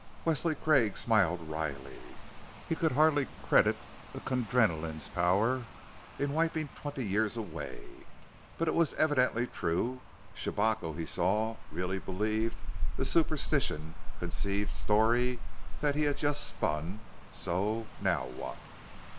Wesley Craig smiled wryly. He could hardly credit the Kundrenaline's power in wiping twenty years away; but it was evidently true. Shabako, he saw, really believed the superstition conceived story he had just spun, so now what?